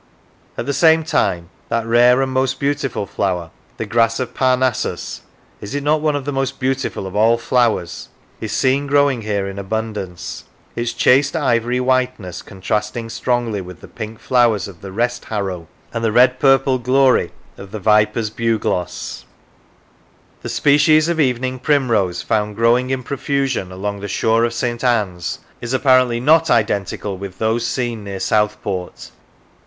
At the same time that rare and most beautiful flower, the grass of Parnassus (is it not one of the most beautiful of all flowers ?), is seen growing here in abundance, its chaste ivory whiteness contrasting strongly with the pink flowers of the rest harrow and the red purple glory of the viper's bugloss. The species of evening primrose found growing in profusion along the shore of St. Anne's is apparently not identical with those seen near Southport.